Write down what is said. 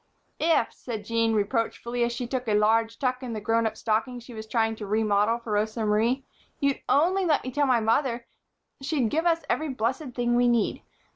"If," said Jean, reproachfully, as she took a large tuck in the grown up stocking that she was trying to re model for Rosa Marie, "you'd only let me tell my mother, she'd give us every blessed thing we need.